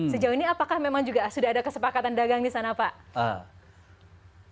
sejauh ini apakah memang juga sudah ada kesepakatan dagang di sana pak